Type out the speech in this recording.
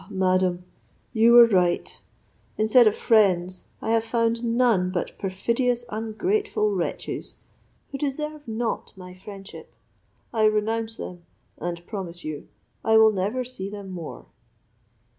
madam, you were right; instead of friends, I have found none but perfidious ungrateful wretches, who deserve not my friendship; I renounce them, and promise you I will never see them more."